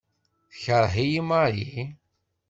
Tekṛeh-iyi Marie?